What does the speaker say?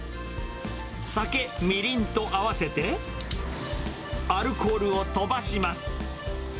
酒、みりんと合わせて、アルコールを飛ばします。